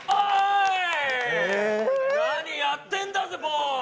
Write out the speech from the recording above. なにやってんだぜ、ボーイ。